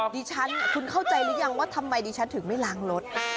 บีกด้วยเหรอ